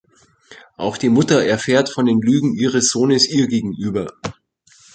Auch die Mutter erfährt von den Lügen ihres Sohnes ihr gegenüber.